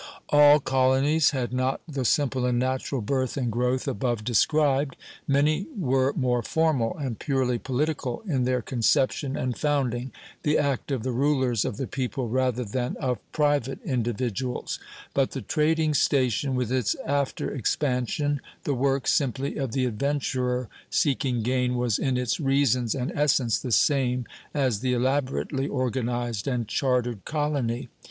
All colonies had not the simple and natural birth and growth above described. Many were more formal, and purely political, in their conception and founding, the act of the rulers of the people rather than of private individuals; but the trading station with its after expansion, the work simply of the adventurer seeking gain, was in its reasons and essence the same as the elaborately organized and chartered colony.